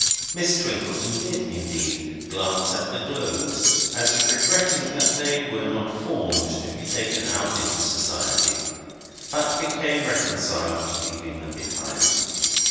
Miss Twinkleton did, indeed, glance at the globes, as regretting that they were not formed to be taken out into society; but became reconciled to leaving them behind.